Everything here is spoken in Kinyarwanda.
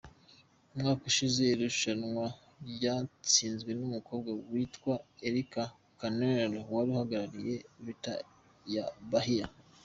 Umwaka ushize irushanwa ryatsinzwe n’umukobwa witwa Erika Canela wari uhagarariye Leta ya Bahia.